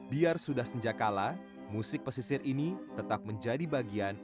biar sudah senjakala musik pesisir ini tetap menjadi bagian